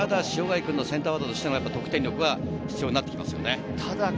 塩貝君のセンターフォワードとしての得点力は必要なってきますね。